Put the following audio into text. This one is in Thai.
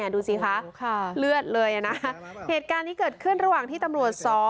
ดูสิคะเลือดเลยนะเหตุการณ์นี้เกิดขึ้นระหว่างที่ตำรวจ๒